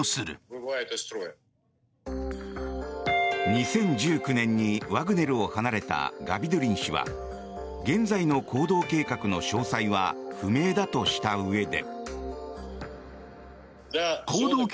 ２０１９年にワグネルを離れたガビドゥリン氏は現在の行動計画の詳細は不明だとしたうえで。